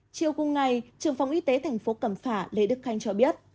chiều cuối ngày trường phòng y tế tp cầm phà lê đức khanh cho biết